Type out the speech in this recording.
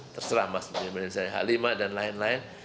terserah mas h lima dan lain lain